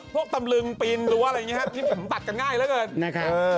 พวกตำรึงปีนหรืออะไรอย่างงี้ฮะนี่แบบตัดกันง่ายแล้วเกินนะครับเออ